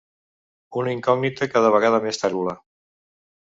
Una incògnita cada vegada més tèrbola.